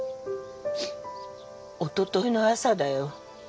おとといの朝だよ。